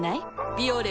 「ビオレ」